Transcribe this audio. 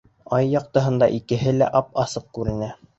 Ай яҡтыһында икеһе лә ап-асыҡ күренә.